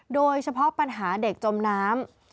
โดยเฉพาะปัญหาเด็กจมน้ำ